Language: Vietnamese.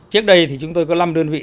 trước đây thì chúng tôi có năm đơn vị